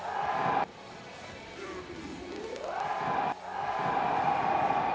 สวัสดีครับทุกคน